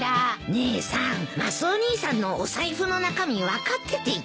姉さんマスオ兄さんのお財布の中身分かってて言ってんの？